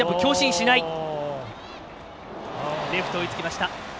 レフト、追いつきました。